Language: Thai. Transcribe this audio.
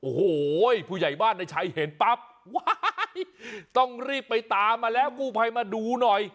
โอ้โหผู้ใหญ่บ้านในชัยเห็นปั๊บว้ายต้องรีบไปตามมาแล้วกู้ภัยมาดูหน่อย